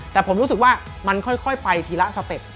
แต่ผมรู้สึกว่ามันค่อยไปทีละสเต็ป